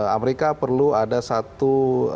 amerika perlu ada satu